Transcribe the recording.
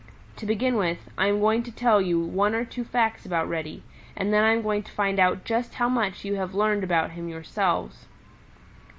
To begin with, I am going to tell you one or two facts about Reddy, and then I am going to find out just how much you have learned about him yourselves.